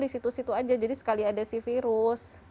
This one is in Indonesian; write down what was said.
disitu situ aja jadi sekali ada virus